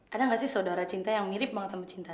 ada nggak sih saudara cinta yang mirip banget sama cinta